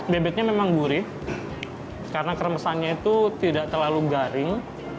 bebeknya memang gurih karena keremesannya itu tidak terlalu garing